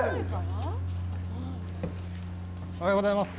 おはようございます。